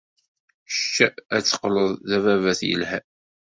Kečč ad teqqled d ababat yelhan.